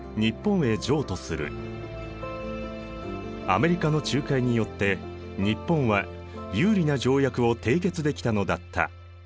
アメリカの仲介によって日本は有利な条約を締結できたのだった。